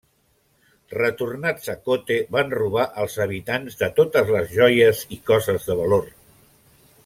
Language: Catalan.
Retornats a Kotte van robar als habitants de totes les joies i coses de valor.